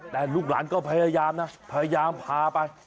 แต่ลูกหลานก็พยายามนะพยายามพาไป